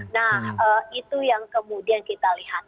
nah itu yang kemudian kita lihat